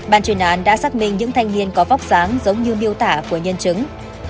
bàn truyền án đã xác minh những thanh niên có vóc dáng giống như miêu tả của nhân chứng